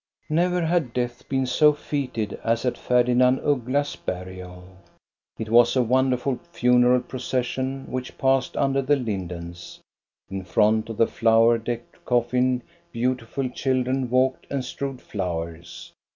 Never had Death been so feted as at Ferdinand Uggla's burial. It was a wonderful funeral procession which passed under the lindens. In front of the flower decked coffin beautiful children walked and strewed flowers.